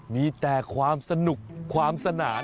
มีแต่ความสนุกความสนาน